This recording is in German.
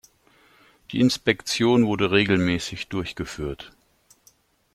Die Inspektion wurde regelmäßig durchgeführt.